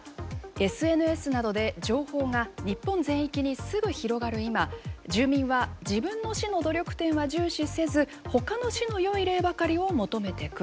「ＳＮＳなどで情報が日本全域にすぐ広がる今住民は自分の市の努力点は重視せずほかの市の良い例ばかりを求めてくる。